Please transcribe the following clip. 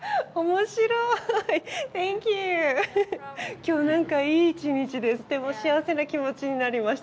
今日何かいい一日でとても幸せな気持ちになりました。